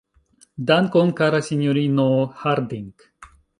Dankon, kara sinjorino Harding.